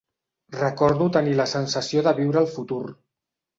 Recordo tenir la sensació de viure el futur.